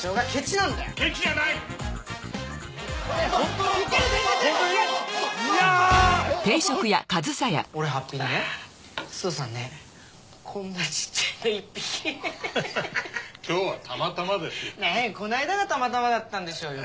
なにこの間がたまたまだったんでしょうよ。